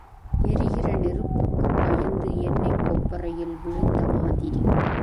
எரிகிற நெருப்புக்குப் பயந்து எண்ணெய்க் கொப்பரையில் விழுந்த மாதிரி.